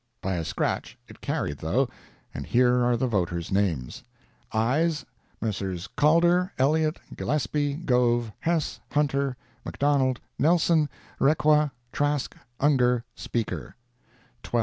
By a scratch it carried, though, and here are the voters' names: AYES—Messrs. Calder, Elliott, Gillespie, Gove, Hess, Hunter, McDonald, Nelson, Requa, Trask, Ungar, Speaker—12.